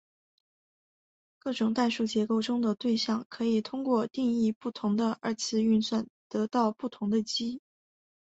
各种代数结构中的对象可以通过定义不同的二元运算得到不同的积。